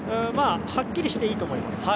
まあ、はっきりしていいと思います。